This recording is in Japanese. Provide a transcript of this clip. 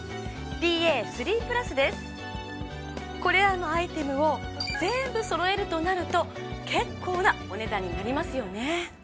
これらのアイテムを全部揃えるとなると結構なお値段になりますよね。